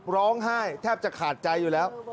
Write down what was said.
ร้องไห้แทบจะขาดใจอยู่แล้ว